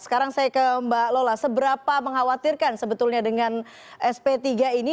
sekarang saya ke mbak lola seberapa mengkhawatirkan sebetulnya dengan sp tiga ini